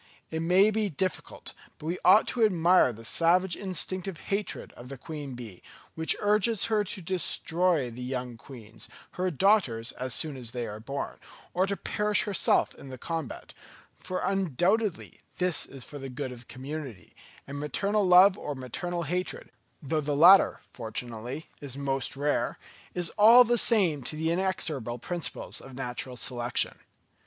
It may be difficult, but we ought to admire the savage instinctive hatred of the queen bee, which urges her to destroy the young queens, her daughters, as soon as they are born, or to perish herself in the combat; for undoubtedly this is for the good of the community; and maternal love or maternal hatred, though the latter fortunately is most rare, is all the same to the inexorable principles of natural selection.